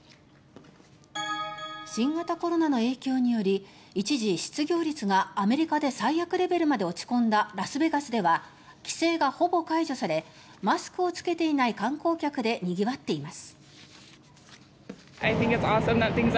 新型コロナの影響により一時、失業率がアメリカで最悪レベルまで落ち込んだラスベガスでは規制がほぼ解除されマスクを着けていない観光客でにぎわっています。